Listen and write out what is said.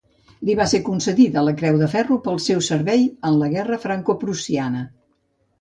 Li va ser concedida la Creu de Ferro pel seu servei en la Guerra francoprussiana.